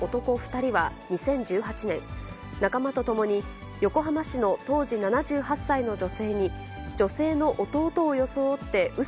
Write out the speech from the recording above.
２人は２０１８年、仲間と共に、横浜市の当時７８歳の女性に、女性の弟を装ってう